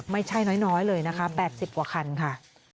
ไม่ใช่น้อยเลยนะคะ๘๐กว่าคันค่ะ